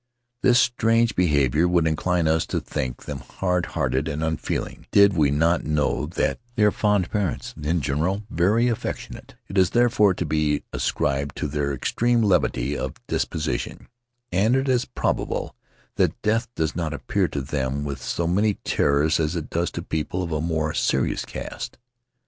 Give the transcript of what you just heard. This strange behavior would incline us to think them hard hearted and unfeeling did we not know that they are fond parents and, in general, very affectionate: it is therefore to be ascribed to their extreme levity of disposition; and it is probable that death does not appear to them with so many terrors as it does to people of a more serious cast."